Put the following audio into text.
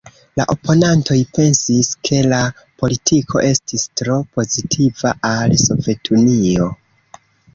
La oponantoj pensis, ke la politiko estis tro pozitiva al Sovetunio.